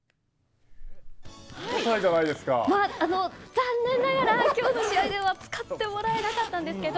残念ながら今日の試合では使ってもらえなかったんですけど